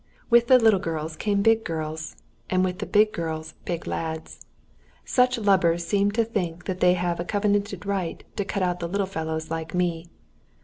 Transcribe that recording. With the little girls came big girls, and with the big girls big lads. Such lubbers seem to think that they have a covenanted right to cut out little fellows like me.